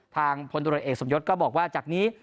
พลตรวจเอกสมยศก็บอกว่าจากนี้